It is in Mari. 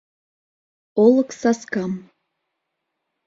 Олык саскам